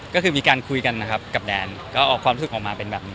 ก็คือมีการคุยกันนะครับกับแดนก็ออกความรู้สึกออกมาเป็นแบบนี้